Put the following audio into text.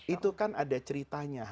itu kan ada ceritanya